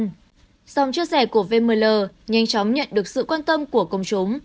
trong chia sẻ của vml nhanh chóng nhận được sự quan tâm của công chúng